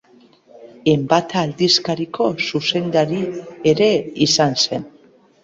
Enbata aldizkariko zuzendari ere izan zen.